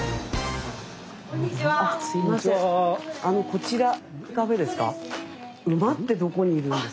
こちらカフェですか。